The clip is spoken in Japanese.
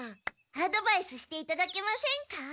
アドバイスしていただけませんか？